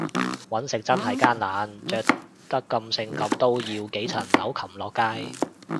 搵食真係艱難，着得咁性感都要幾層樓擒落街